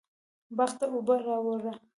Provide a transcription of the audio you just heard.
باغ ته اوبه راواړوه